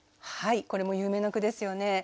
これも有名な句ですよね。